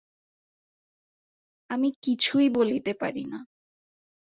আমি কিছুই বলিতে পারি না।